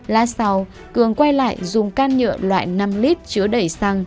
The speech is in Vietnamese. là sau cường quay lại dùng can nhựa loại năm lit chứa đẩy xăng